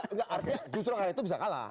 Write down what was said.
enggak artinya justru karena itu bisa kalah